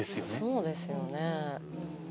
そうですよね。